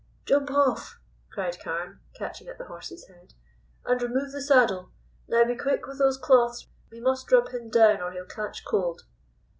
"Jump off," cried Carne, catching at the horse's head, "and remove the saddle. Now be quick with those cloths; we must rub him down or he'll catch cold."